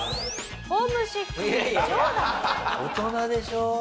大人でしょ。